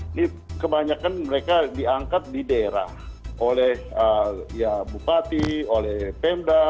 ini kebanyakan mereka diangkat di daerah oleh bupati oleh pemda